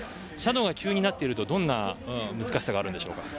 斜度が急になっているとどんな難しさがあるんでしょう？